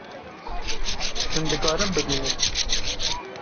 Hûn dikarin bibînin